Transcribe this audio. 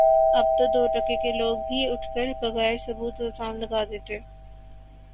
اب تو دو ٹکے کے لوگ بھی اٹھ کر بغیر ثبوت الزام لگا دیتے